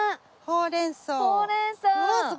ほうれんそう！